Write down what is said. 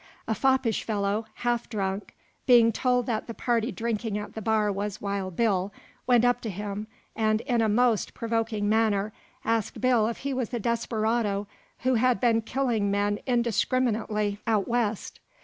A foppish fellow, half drunk, being told that the party drinking at the bar was Wild Bill, went up to him, and, in a most provoking manner, asked Bill if he was the desperado who had been killing men indiscriminately out West.